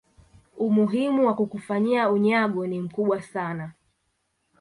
umuhimu wa kukufanyia unyago ni mkubwa sana